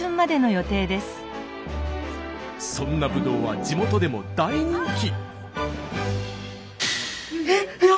そんなぶどうは地元でも大人気。